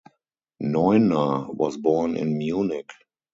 Neuner was born in Munich.